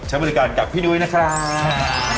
บริการกับพี่นุ้ยนะครับ